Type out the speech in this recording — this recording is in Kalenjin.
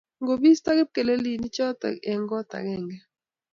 kibisto kiplekonichoto eng koot agenge